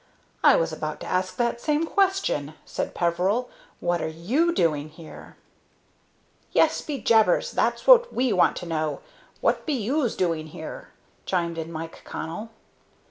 "I was about to ask that same question," said Peveril. "What are you doing here?" "Yes, be jabers! That's what we want to know. What be yous doing here?" chimed in Mike Connell.